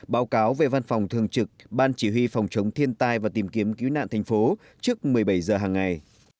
báo cáo về văn phòng thường trực ban chỉ huy phòng chống thiên tai và tìm kiếm cứu nạn thành phố trước một mươi bảy giờ hàng ngày